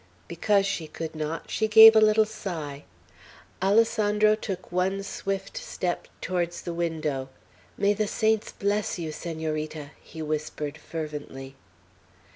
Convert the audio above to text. Because she could not, she gave a little sigh. Alessandro took one swift step towards the window. "May the saints bless you, Senorita," he whispered fervently.